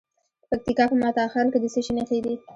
د پکتیکا په متا خان کې د څه شي نښې دي؟